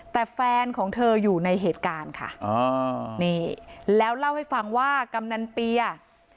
แต่แฟนของเธออยู่ในเหตุการณ์ค่ะอ๋อนี่แล้วเล่าให้ฟังว่ากำนันเปียร์